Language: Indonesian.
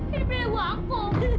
hidup dari buangku